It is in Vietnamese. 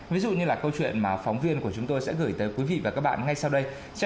ví dụ như là câu chuyện mà phóng viên của chúng tôi sẽ gửi tới quý vị và các bạn ngay sau đây